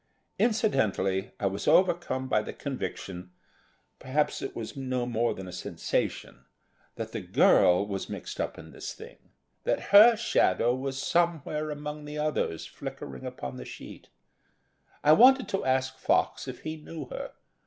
Incidentally, I was overcome by the conviction perhaps it was no more than a sensation that that girl was mixed up in this thing, that her shadow was somewhere among the others flickering upon the sheet. I wanted to ask Fox if he knew her.